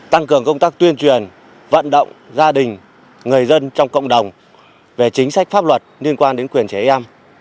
tăng cường công tác tuyên truyền vận động gia đình người dân trong cộng đồng về chính sách pháp luật liên quan đến quyền trẻ em